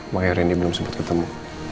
makanya rindika belum sempat ketemu